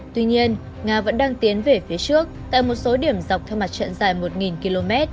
tuy nhiên nga vẫn đang tiến về phía trước tại một số điểm dọc theo mặt trận dài một km